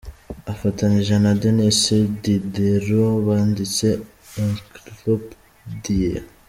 Afatanyije na Denis Diderot, banditse '"Encyclopédie".